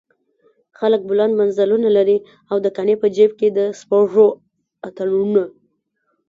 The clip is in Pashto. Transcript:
خلک بلند منزلونه لري او د قانع په جيب کې د سپږو اتڼونه.